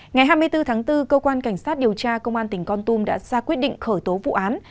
ngày hai mươi bốn tháng bốn cơ quan cảnh sát điều tra công an tỉnh con tum đã ra quyết định khởi tố vụ án